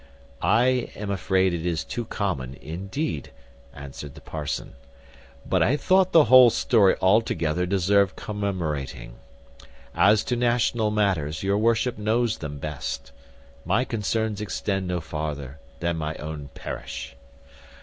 "I am afraid it is too common, indeed," answered the parson; "but I thought the whole story altogether deserved commemorating. As to national matters, your worship knows them best. My concerns extend no farther than my own parish."